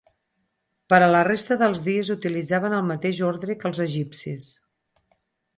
Per a la resta dels dies utilitzaven el mateix ordre que els egipcis.